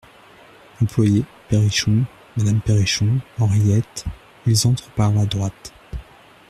Employé, Perrichon, Madame Perrichon, Henriette Ils entrent par la droite.